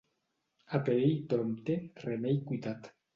A perill prompte, remei cuitat.